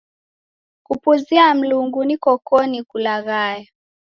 Kupuzia Mlungu nikokoni kulaghaya.